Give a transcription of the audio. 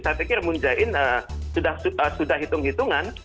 saya pikir moon jae in sudah hitung hitungan